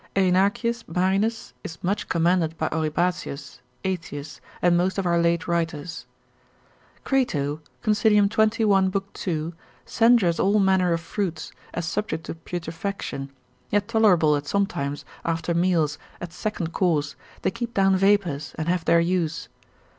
Erinacius Marinus is much commended by Oribatius, Aetius, and most of our late writers. Crato, consil. 21. lib. 2. censures all manner of fruits, as subject to putrefaction, yet tolerable at sometimes, after meals, at second course, they keep down vapours, and have their use.